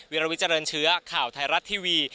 วิลวิเจริญเชื้อข่าวไทยรัฐทีวี